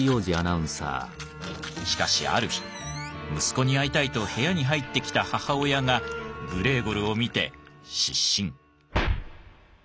しかしある日息子に会いたいと部屋に入ってきた母親がグレーゴルを見て失神。